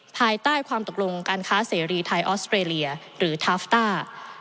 ภายใต้ความตกลงการค้าเสรีไทยออสเตรเลียหรือทาฟต้า